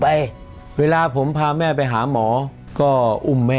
ผมอยากจะหารถสันเร็งสักครั้งนึงคือเอาเอาหมอนหรือที่นอนอ่ะมาลองเขาไม่เจ็บปวดครับ